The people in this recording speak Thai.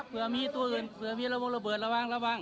เผื่อมีตัวอื่นเผื่อมีระวงระเบิดระวังระวัง